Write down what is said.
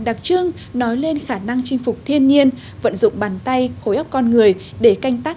đặc trưng nói lên khả năng chinh phục thiên nhiên vận dụng bàn tay khối ốc con người để canh tác